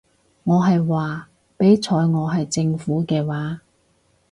我係話，畀在我係政府嘅話